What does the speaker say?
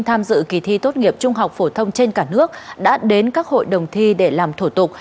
tham dự kỳ thi tốt nghiệp trung học phổ thông trên cả nước đã đến các hội đồng thi để làm thủ tục